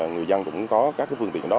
người dân cũng có các cái phương tiện đó